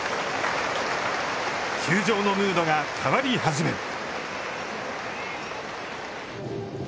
球場のムードが変わり始める。